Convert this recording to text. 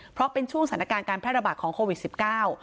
เพราะเป็นช่วงสถานการณ์การแพร่ระบาดของโควิดสิบเก้า